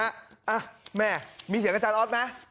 อ่ะแม่มีเสียงอาจารย์ออสไหม